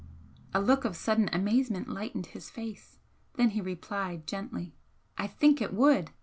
A look of sudden amazement lightened his face then he replied, gently "I think it would!